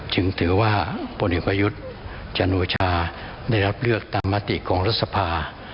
จึงถือว่าพลเอกประยุทธ์จันโอชาได้รับเลือกตามมติของรัฐสภา